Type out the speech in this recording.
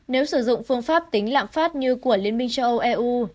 nếu sử dụng phương pháp tính lạm phát như của liên minh châu âu eu